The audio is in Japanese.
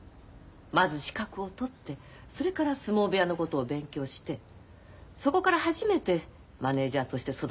まず資格を取ってそれから相撲部屋のことを勉強してそこから初めてマネージャーとして育ててもらう立場でしょう。